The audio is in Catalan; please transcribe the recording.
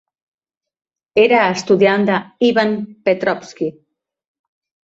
Era estudiant d'Ivan Petrovsky.